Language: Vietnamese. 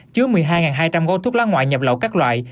chứa một mươi hai hai trăm linh gói thuốc lá ngoại nhập lậu các loại